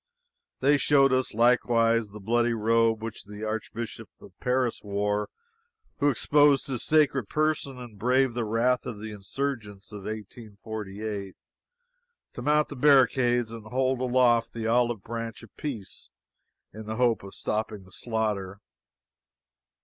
They showed us likewise the bloody robe which that archbishop of Paris wore who exposed his sacred person and braved the wrath of the insurgents of 1848, to mount the barricades and hold aloft the olive branch of peace in the hope of stopping the slaughter.